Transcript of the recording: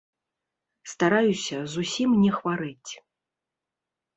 Стараюся зусім не хварэць.